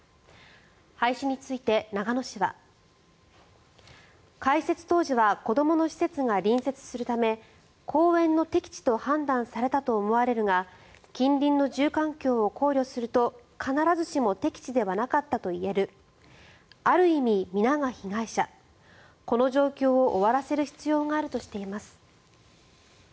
廃止について、長野市は開設当時は子どもの施設が隣接するため公園の適地と判断されたと思われるが近隣の住環境を考慮すると必ずしも適地ではなかったといえるある意味、皆が被害者この状況を終わらせる必要があるとしています。